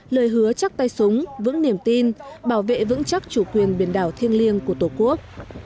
lời hứa chắc tay súng vững niềm tin bảo vệ vững chắc chủ quyền biển đảo thiêng liêng của tổ quốc